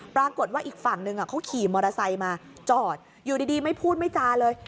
ปรากฏว่าอีกฝั่งหนึ่งเขาขี่มอเตอร์ไซค์มาจอดอยู่ดีไม่พูดไม่จาเลย